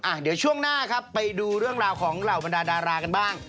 เดี๋ยวช่วงหน้าครับไปดูเรื่องราวของเหล่าบรรดาดารากันบ้าง